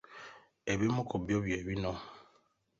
Ebimu ku byo bye bino: